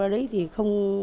đấy thì không